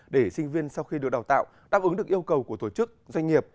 để sinh viên sau khi được đào tạo đáp ứng được yêu cầu của tổ chức doanh nghiệp